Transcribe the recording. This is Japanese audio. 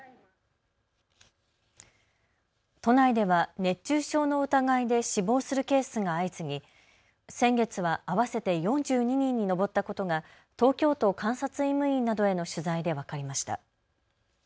都内では熱中症の疑いで死亡するケースが相次ぎ先月は合わせて４２人に上ったことが東京都監察医務院などへの取材で分かりました。